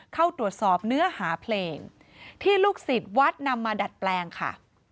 เข้าตรวจสอบเนื้อหาเพลงที่ลูกศิษย์วัดนำมาดัดแปลงค่ะ